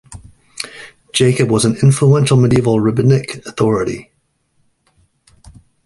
Jacob was an influential Medieval rabbinic authority.